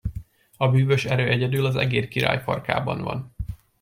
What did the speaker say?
A bűvös erő egyedül az egérkirály farkában van.